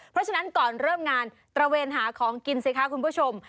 เพราะฉะนั้นก่อนเริ่มงานตระเวนหาของกินสิคะคุณผู้ชม